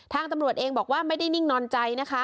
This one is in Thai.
ตำรวจเองบอกว่าไม่ได้นิ่งนอนใจนะคะ